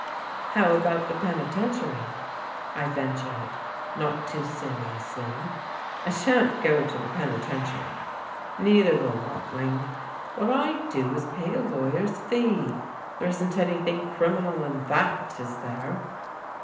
"How about the penitentiary?" I ventured, not too seriously. "I shan't go to the penitentiary, neither will Watling. What I do is to pay a lawyer's fee. There isn't anything criminal in that, is there?"